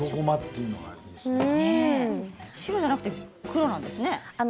白じゃなくて黒なんですね。